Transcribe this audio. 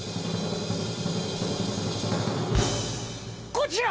こちら！